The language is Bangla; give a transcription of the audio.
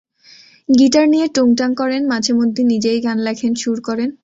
গিটার নিয়ে টুং টাং করেন, মাঝে মধ্যে নিজেই গান লেখেন, সুর করেন।